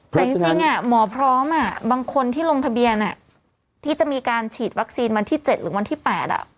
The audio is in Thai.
จริงจริงอ่ะหมอพร้อมอ่ะบางคนที่ลงทะเบียนอ่ะที่จะมีการฉีดวัคซีนวันที่เจ็ดหรือวันที่แปดอ่ะ